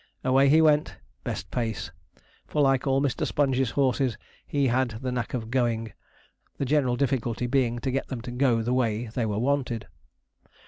Away he went, best pace; for like all Mr. Sponge's horses, he had the knack of going, the general difficulty being to get them to go the way they were wanted.